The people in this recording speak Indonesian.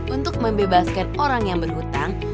untuk membebaskan orang yang berhutang